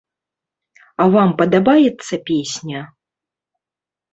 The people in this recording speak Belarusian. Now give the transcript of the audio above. А вам падабаецца песня?